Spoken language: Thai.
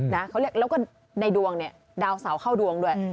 แล้วก็ในดวงเนี่ยดาวเสาเข้าดวงด้วย